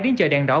đến chờ đèn đá